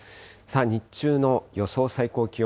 日中の予想最高気温。